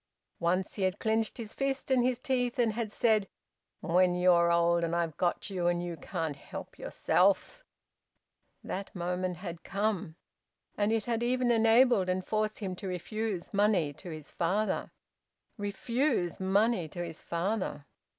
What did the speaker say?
Once he had clenched his fist and his teeth, and had said, "When you're old, and I've got you, and you can't help yourself!" That moment had come, and it had even enabled and forced him to refuse money to his father refuse money to his father!